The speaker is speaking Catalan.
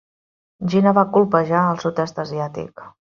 Jeana va colpejar el sud-est asiàtic.